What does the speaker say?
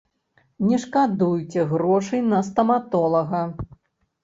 Не шкадуйце грошай на стаматолага!